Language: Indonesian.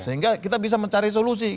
sehingga kita bisa mencari solusi